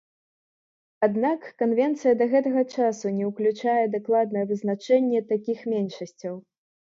Аднак, канвенцыя да гэтага часу не ўключае дакладнае вызначэнне такіх меншасцяў.